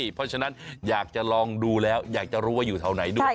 เพราะฉะนั้นอยากจะลองดูแล้วอยากจะรู้ว่าอยู่แถวไหนด้วย